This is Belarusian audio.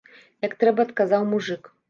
Як трэба адказаў мужык.